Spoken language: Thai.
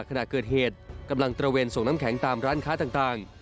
ขณะเกิดเหตุกำลังตระเวนส่งน้ำแข็งตามร้านค้าต่าง